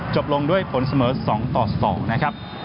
จบลงด้วยผลเสมอ๒ต่อ๒นะครับ